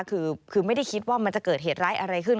คือไม่ได้คิดว่ามันจะเกิดเหตุร้ายอะไรขึ้น